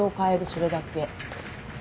それだけ。